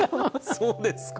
そうですか。